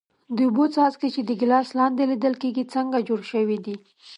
د اوبو څاڅکي چې د ګیلاس لاندې لیدل کیږي څنګه جوړ شوي دي؟